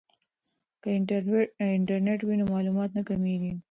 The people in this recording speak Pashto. که انټرنیټ وي نو معلومات نه کمیږي.